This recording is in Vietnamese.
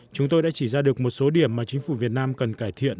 chúng tôi đã chỉ ra được một số điểm mà chính phủ việt nam cần cải thiện